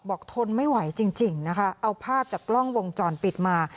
ทนไม่ไหวจริงนะคะเอาภาพจากกล้องวงจรปิดมา